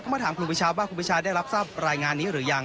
มาถามครูปีชาบ้างครูปีชาได้รับทราบรายงานนี้หรือยัง